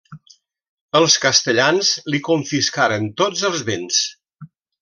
Els castellans li confiscaren tots els béns.